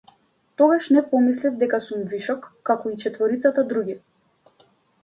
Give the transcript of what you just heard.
Тогаш не помислив дека сум вишок, како и четворицата други.